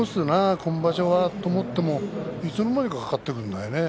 今場所はと思ってもいつの間にか勝ってるんだよね。